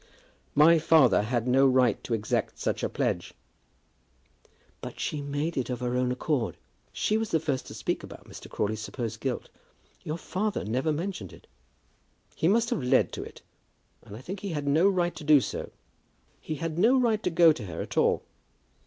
"My father had no right to exact such a pledge." "But she made it of her own accord. She was the first to speak about Mr. Crawley's supposed guilt. Your father never mentioned it." "He must have led to it; and I think he had no right to do so. He had no right to go to her at all."